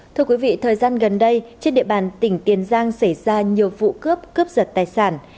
thưa quý vị thời gian gần đây trên địa bàn tỉnh tiền giang xảy ra nhiều vụ cướp cướp giật tài sản